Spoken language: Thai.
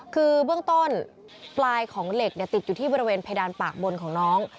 คือเบื้องต้นปลายของเหล็กติดอยู่ที่บริเวณเพดานปากบนของน้อง